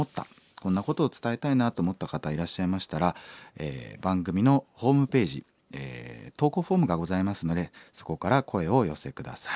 「こんなことを伝えたいな」と思った方いらっしゃいましたら番組のホームページ投稿フォームがございますのでそこから声をお寄せ下さい。